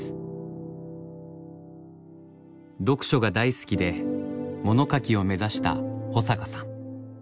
読書が大好きで物書きを目指した保阪さん。